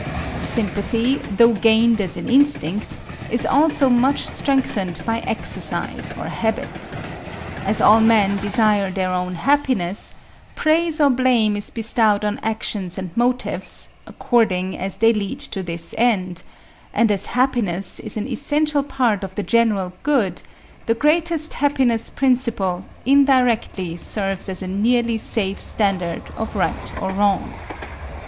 Sympathy, though gained as an instinct, is also much strengthened by exercise or habit. As all men desire their own happiness, praise or blame is bestowed on actions and motives, according as they lead to this end; and as happiness is an essential part of the general good, the greatest happiness principle indirectly serves as a nearly safe standard of right and wrong.